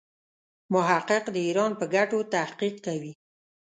محقق د ایران پر ګټو تحقیق کوي.